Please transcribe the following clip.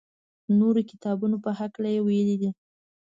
نورو کتابو په هکله یې ویلي دي.